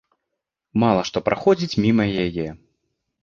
Мала што праходзіць міма яе.